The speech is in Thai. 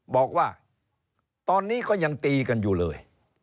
บอกว่าตอนนี้ก็ยังตีกันอยู่เลย